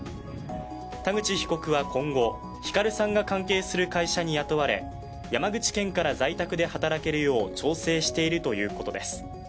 田口被告は今後、ヒカルさんが関係する会社に雇われ、山口県から在宅で働けるよう調整しているということです。